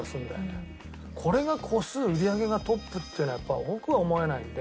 これが個数売り上げがトップっていうのはやっぱ僕は思えないんで。